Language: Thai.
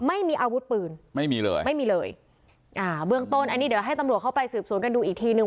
ไม่มีอาวุธปืนไม่มีเลยไม่มีเลยอ่าเบื้องต้นอันนี้เดี๋ยวให้ตำรวจเข้าไปสืบสวนกันดูอีกทีนึง